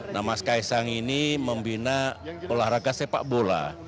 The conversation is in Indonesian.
nah mas kaisang ini membina olahraga sepak bola